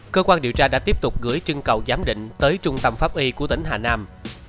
cơ quan điều tra đã tiếp tục gửi trưng cầu giám định tới trung tâm pháp y của tỉnh hà nam